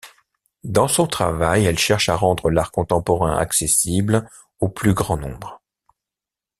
Dans son travail, elle cherche à rendre l'art contemporain accessible au plus grand nombre.